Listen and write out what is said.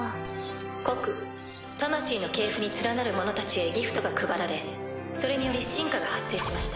告魂の系譜に連なる者たちへギフトが配られそれにより進化が発生しました。